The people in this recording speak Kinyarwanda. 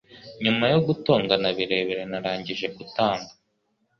Nyuma yo gutongana birebire, narangije gutanga.